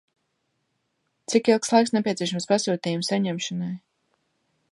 Cik ilgs laiks nepieciešams pasūtījuma saņemšanai?